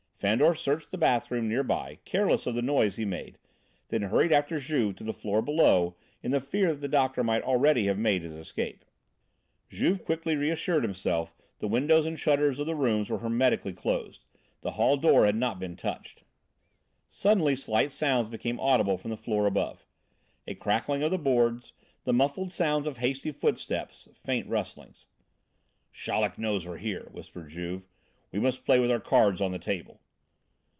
Fandor searched the bathroom near by, careless of the noise he made, then hurried after Juve to the floor below in the fear that the doctor might already have made his escape. Juve quickly reassured him the windows and shutters of the rooms were hermetically closed; the hall door had not been touched. Suddenly slight sounds became audible from the floor above. A crackling of the boards, the muffled sounds of hasty footsteps, faint rustlings. "Chaleck knows we are here," whispered Juve. "We must play with our cards on the table."